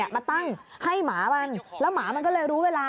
มาตั้งให้หมามันแล้วหมามันก็เลยรู้เวลา